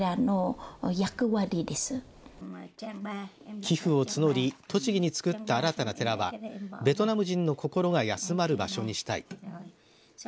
寄付を募り栃木に作った新たな寺はベトナム人の心が安まる場所にしたい。